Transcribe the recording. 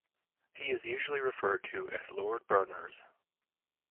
He is usually referred to as Lord Berners.